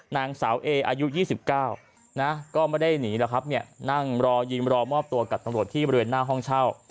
นางสาวเออายุ๒๙ก็ไม่ได้หนีแล้วนั่งยินรอมอบตัวกับตรวจที่บริเวณหน้าห้องเช่า